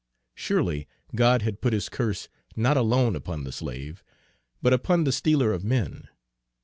Surely, God had put his curse not alone upon the slave, but upon the stealer of men!